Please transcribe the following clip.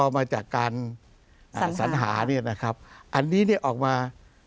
มาจากการสัญหาเนี่ยนะครับอันนี้เนี่ยออกมา